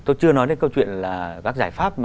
tôi chưa nói đến câu chuyện là các giải pháp